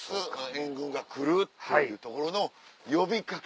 援軍が来るっていうところの呼びかけ